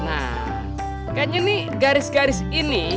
nah kayaknya nih garis garis ini